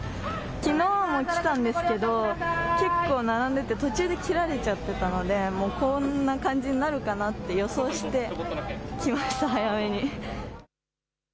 きのうも来たんですけれども結構並んでいて途中で切られちゃったのでこんな感じになるかなと予想して来ました。